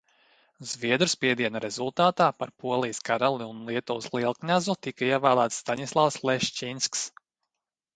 Zviedru spiediena rezultātā par Polijas karali un Lietuvas lielkņazu tika ievēlēts Staņislavs Leščiņskis.